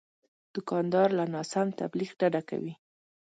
دوکاندار له ناسم تبلیغ ډډه کوي.